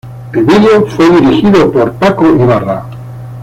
El video fue dirigido por Paco Ibarra.